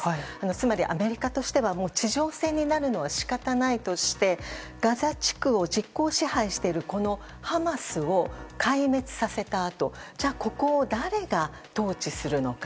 つまりアメリカとしては地上戦になるのは仕方ないとしてガザ地区を実効支配しているハマスを壊滅させたあとここを誰が統治するのか。